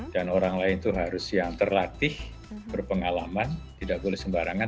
dan orang lain itu harus yang terlatih berpengalaman tidak boleh sembarangan